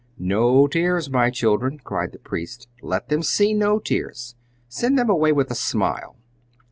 "No tears, my children!" cried the priest; "let them see no tears! Send them away with a smile!"